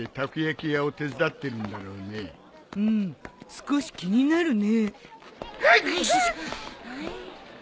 少し気になるね。